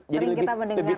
jadi lebih tinggi gimana